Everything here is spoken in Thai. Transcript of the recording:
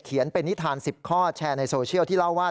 เป็นนิทาน๑๐ข้อแชร์ในโซเชียลที่เล่าว่า